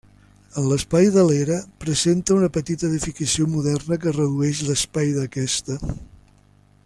En l'espai de l'era presenta una petita edificació moderna que redueix l'espai d'aquesta.